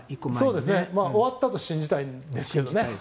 終わったと信じたいんですけどね。